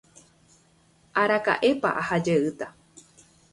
araka'épa aha jeýta